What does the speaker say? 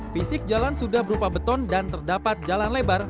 fisik jalan sudah berupa beton dan terdapat jalan lebar